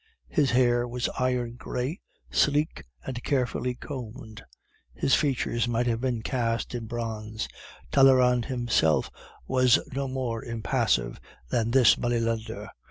His hair was iron gray, sleek, and carefully combed; his features might have been cast in bronze; Talleyrand himself was not more impassive than this money lender.